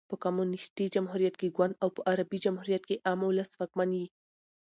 په کمونيسټي جمهوریت کښي ګوند او په عربي جمهوریت کښي عام اولس واکمن يي.